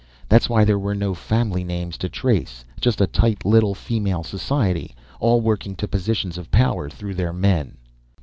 That's why there were no family names to trace just a tight little female society, all working to positions of power through their men."